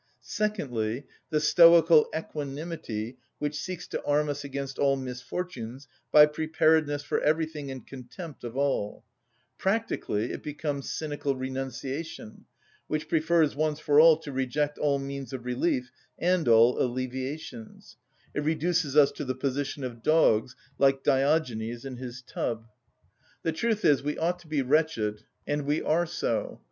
Secondly, the stoical equanimity which seeks to arm us against all misfortunes by preparedness for everything and contempt of all: practically it becomes cynical renunciation, which prefers once for all to reject all means of relief and all alleviations—it reduces us to the position of dogs, like Diogenes in his tub. The truth is, we ought to be wretched, and we are so.